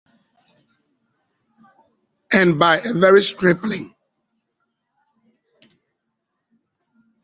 And by a very stripling!